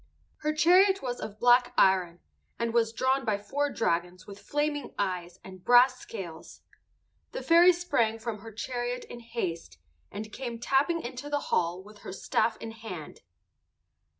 Her chariot was of black iron, and was drawn by four dragons with flaming eyes and brass scales. The fairy sprang from her chariot in haste, and came tapping into the hall with her staff in her hand.